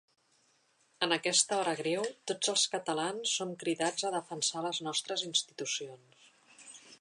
En aquesta hora greu tots els catalans som cridats a defensar les nostres institucions.